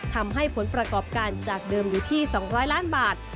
ผลประกอบการจากเดิมอยู่ที่๒๐๐ล้านบาท